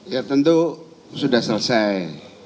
ya tentu sudah selesai